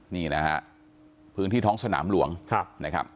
นี่นะฮะพื้นที่ท้องสนามหลวงนะครับ